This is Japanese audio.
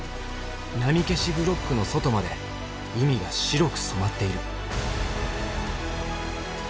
波消しブロックの外まで海が白く染まっている。